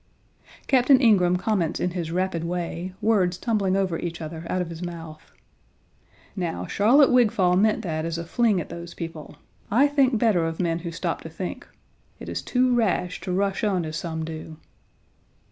Captain Ingraham comments in his rapid way, words tumbling over each other out of his mouth: "Now, Charlotte Wigfall meant that as a fling at those people. I think better of men who stop to think; it is too rash to rush on as some do."